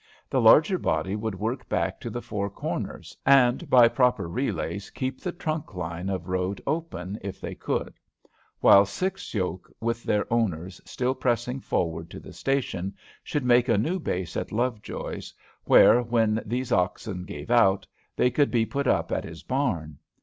The larger body should work back to the Four Corners, and by proper relays keep that trunk line of road open, if they could; while six yoke, with their owners, still pressing forward to the station, should make a new base at Lovejoy's, where, when these oxen gave out, they could be put up at his barn.